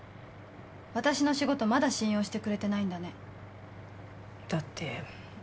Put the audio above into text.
私の仕事まだ信用してくれてないんだねだって